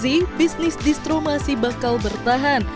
sehingga sejak ini bisnis distro masih bakal bertahan